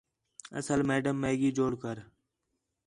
اصل میڈم میگی جوڑ کر